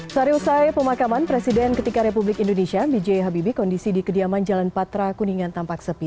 sehari usai pemakaman presiden ketiga republik indonesia b j habibie kondisi di kediaman jalan patra kuningan tampak sepi